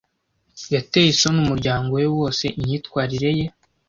Yateye isoni umuryango we wose imyitwarire ye.